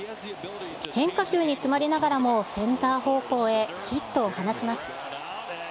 変化球に詰まりながらもセンター方向へヒットを放ちます。